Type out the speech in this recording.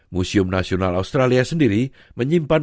museum nasional australia sendiri menyimpan